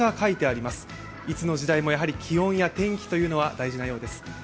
いつの時代も、やはり気温や天気は大事なようです。